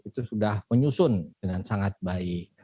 itu sudah menyusun dengan sangat baik